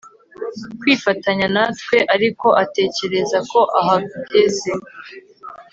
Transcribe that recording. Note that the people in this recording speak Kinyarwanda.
kwifatanya natwe ariko atekereza ko ahageze